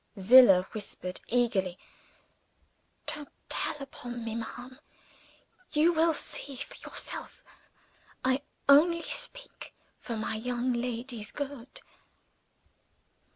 Zillah whispered, eagerly, "Don't tell upon me, ma'am! You will see for yourself. I only speak for my young lady's good."